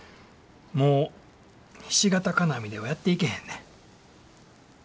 もうひし形金網ではやっていけへんねん。